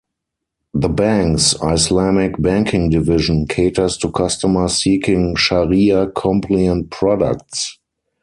The Bank's Islamic Banking Division caters to customers seeking Shariah compliant products.